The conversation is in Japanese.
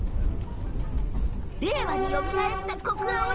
令和によみがえった小倉織。